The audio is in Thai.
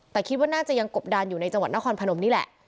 แต่คิดว่าน่าจะยังกบดานอยู่ในจังหวัดนครพนมนี่แหละ